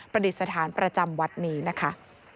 ดิษฐานประจำวัดนี้นะคะ